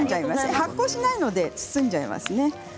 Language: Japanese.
発酵しないので包んじゃいますね。